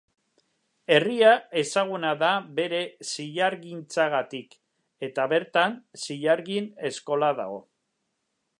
Herria ezaguna da bere zilargintzagatik, eta bertan zilargin eskola dago.